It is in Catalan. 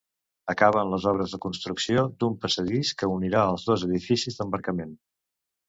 Acaben les obres de construcció d'un passadís que unirà els dos edificis d'embarcament.